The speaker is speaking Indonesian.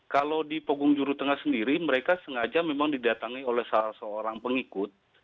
kalau di pogong jurutengah sendiri mereka sengaja memang didatangi oleh seorang pengikut